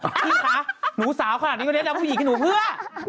พี่คะหนูสาวขนาดนี้แล้วผู้หญิงขึ้นหนูเพื่อ